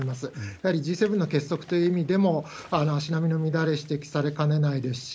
やはりＧ７の結束という意味でも、足並みの乱れ、指摘されかねないですし、